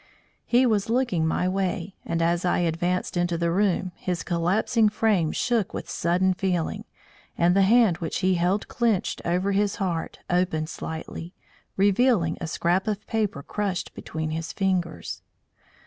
He was looking my way, and as I advanced into the room, his collapsing frame shook with sudden feeling, and the hand which he held clenched over his heart opened slightly, revealing a scrap of paper crushed between his fingers.